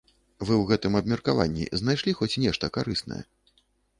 Вы ў гэтым абмеркаванні знайшлі хоць нешта карыснае?